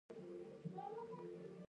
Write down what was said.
د کندهار په غورک کې د ګچ نښې شته.